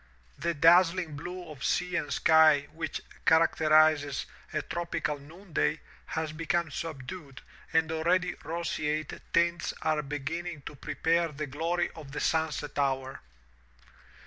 The dazzling blue of sea and sky which characterizes a tropical noonday has become subdued and already roseate tints are beginning to pre pare the glory of the sunset hour.